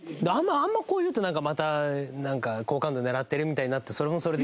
あんまこう言うとなんかまた好感度狙ってるみたいになってそれもそれで。